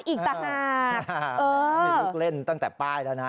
มีลูกเล่นตั้งแต่ป้ายแล้วนะ